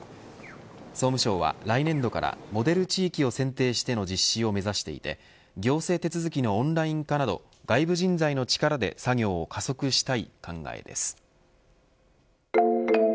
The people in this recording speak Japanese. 総務省は来年度からモデル地域を選定しての実施を目指していて行政手続きのオンライン化など外部人材の力で作業を加速したい考えです。